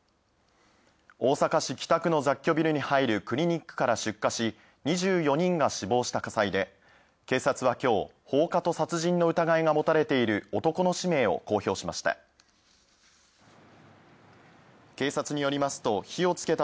大阪市北区の雑居ビルに入るクリニックから出火し２４人が死亡した火災で、警察は今日放火と殺人の疑いが持たれている男の氏名を公表しました。